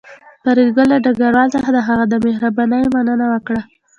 فریدګل له ډګروال څخه د هغه د مهربانۍ مننه وکړه